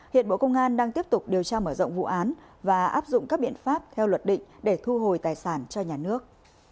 hiện bộ công an đang tiếp tục điều tra mở rộng vụ án và áp dụng các biện pháp theo luật định để thu hồi tài sản cho nhà nước